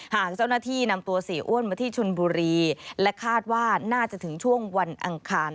หากเจ้าหน้าที่นำตัวเสียอ้วนมาที่ชนบุรีและคาดว่าน่าจะถึงช่วงวันอังคาร